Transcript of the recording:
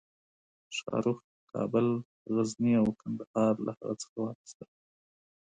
شاهرخ کابل، غزني او قندهار له هغه څخه واخیستل.